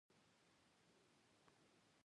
ځمکې! ولې دومره ډېره خوځېدلې؟